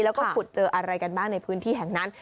แล้วก็ขุดเจออะไรกันบ้างในพื้นที่แห่งนั้น